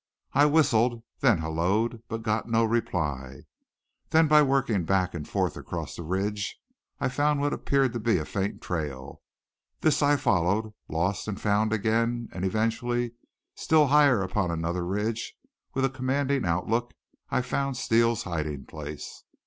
I whistled, then halloed, but got no reply. Then by working back and forth across the ridge I found what appeared to be a faint trail. This I followed, lost and found again, and eventually, still higher up on another ridge, with a commanding outlook, I found Steele's hiding place.